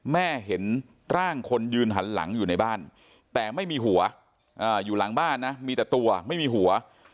แม่เห็นร่างคนยืนหันหลังอยู่ในบ้านแต่ไม่มีหัวอยู่หลังบ้านนะมีแต่ตัวไม่มีหัว